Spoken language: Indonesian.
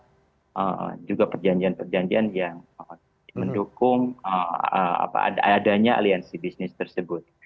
ada juga perjanjian perjanjian yang mendukung adanya aliansi bisnis tersebut